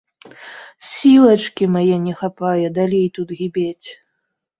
Сілачкі мае не хапае далей тут гібець.